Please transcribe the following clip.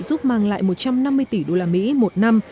giúp mang lại một trăm năm mươi tỷ đô la mỹ một năm